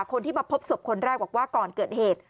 คนที่มาพบศพคนแรกบอกว่าก่อนเกิดเหตุ